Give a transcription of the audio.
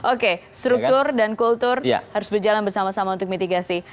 oke struktur dan kultur harus berjalan bersama sama untuk mitigasi